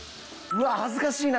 うわあ恥ずかしいな。